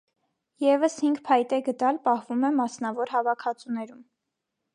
Եվս հինգ փայտե գդալ պահվում է մասնավոր հավաքածուներում։